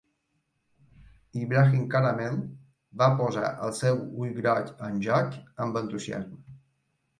Ibrahim Caramel va posar el seu ull groc en joc amb entusiasme.